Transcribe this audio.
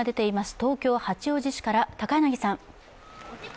東京・八王子市から高柳さん。